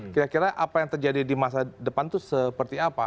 kira kira apa yang terjadi di masa depan itu seperti apa